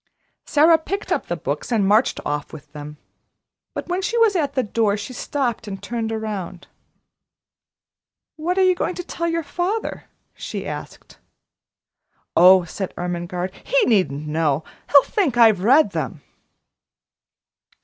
Sara picked up the books and marched off with them. But when she was at the door, she stopped and turned around. "What are you going to tell your father?" she asked. "Oh," said Ermengarde, "he needn't know; he'll think I've read them."